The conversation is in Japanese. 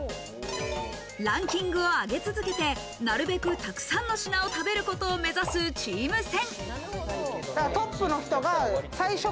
ランキングを上げ続けて、なるべくたくさんの品を食べることを目指すチーム戦。